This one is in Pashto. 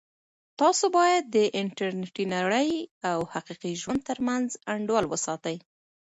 تاسو باید د انټرنیټي نړۍ او حقیقي ژوند ترمنځ انډول وساتئ.